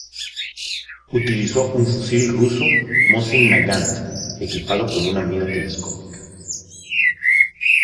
Utilizó un fusil ruso Mosin-Nagant, equipado con una mira telescópica.